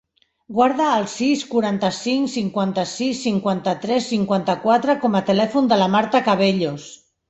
Guarda el sis, quaranta-cinc, cinquanta-sis, cinquanta-tres, cinquanta-quatre com a telèfon de la Marta Cabellos.